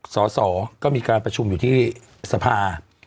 สอสอก็มีการประชุมอยู่ที่สภา